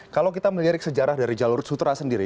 kalau kita melirik sejarah dari jalur sutra sendiri